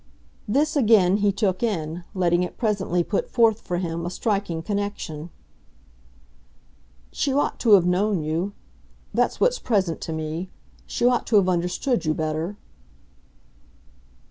This again he took in, letting it presently put forth for him a striking connection. "She ought to have known you. That's what's present to me. She ought to have understood you better."